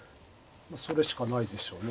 それしかないでしょうね。